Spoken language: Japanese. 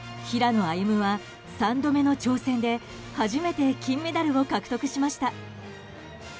平野歩夢は３度目の挑戦で初めて金メダルを獲得しました。